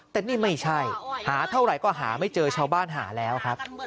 แต่นี่ไม่ใช่หาเท่าไหร่ก็หาไม่เจอชาวบ้านหาแล้วครับ